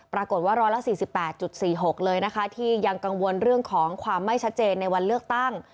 ปรากฏว่า๑๔๘๔๖เลยนะคะที่ยังกังวลเรื่องของความไม่ชัดเจนในวันเลือกตั้ง